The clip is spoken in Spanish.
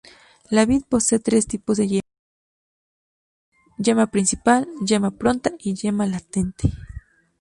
La vid posee tres tipos de yemas: yema principal, yema pronta y yema latente.